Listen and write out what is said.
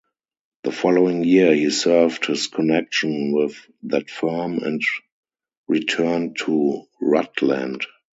The following year he severed his connection with that firm and returned to Rutland.